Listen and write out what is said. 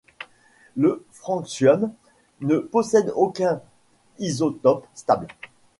Le francium ne possède aucun isotope stable.